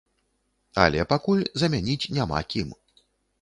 Але пакуль замяніць няма кім.